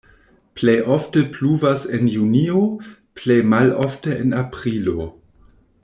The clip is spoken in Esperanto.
Plej ofte pluvas en junio, plej malofte en aprilo.